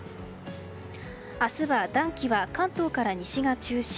明日は暖気は、関東から西が中心。